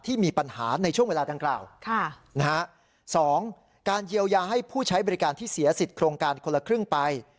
ที่มีปัญหาในช่วงเวลาดังกล่าวสองการเยียวยาให้ผู้ใช้บริการที่เสียสิทธิ์โครงการคนละครึ่งไป